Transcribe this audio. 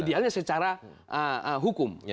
tidak karena itu adalah cara hukum